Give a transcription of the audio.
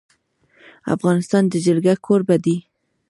افغانستان د جلګه کوربه دی.